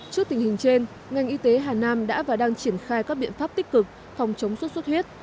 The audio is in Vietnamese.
trước tình hình trên ngành y tế hà nam đã và đang triển khai các biện pháp tích cực phòng chống xuất xuất huyết